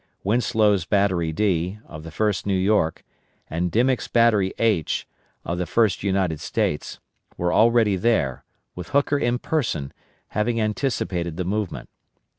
Winslow's Battery D, of the 1st New York, and Dimick's Battery H, of the 1st United States, were already there, with Hooker in person, having anticipated the movement.